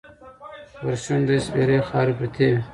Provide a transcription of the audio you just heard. په شونډو یې سپېرې خاوې پرتې وې.